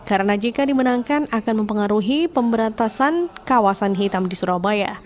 karena jika dimenangkan akan mempengaruhi pemberantasan kawasan hitam di surabaya